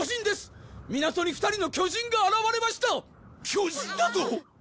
巨人だと！？